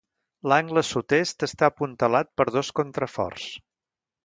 L'angle sud-est està apuntalat per dos contraforts.